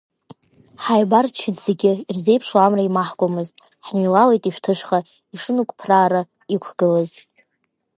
Ҳааибарччеит зегьы ирзеиԥшу амра еимаҳкуамызт, ҳныҩлалеит ишәҭышха, ишынықәԥраара иқәгылаз…